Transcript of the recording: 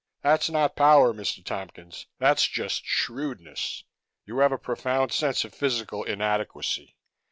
"That's not power, Mr. Tompkins, that's just shrewdness. You have a profound sense of physical inadequacy.